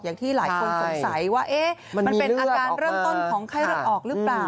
อย่างที่หลายคนสงสัยว่ามันเป็นอาการเริ่มต้นของไข้เลือดออกหรือเปล่า